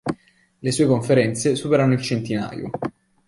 Le sue conferenze superano il centinaio.